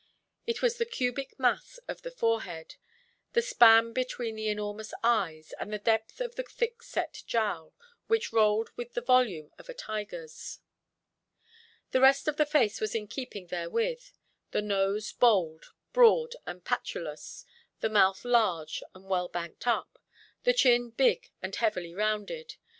It was the cubic mass of the forehead, the span between the enormous eyes, and the depth of the thick–set jowl, which rolled with the volume of a tigerʼs. The rest of the face was in keeping therewith: the nose bold, broad, and patulous, the mouth large and well banked up, the chin big and heavily rounded.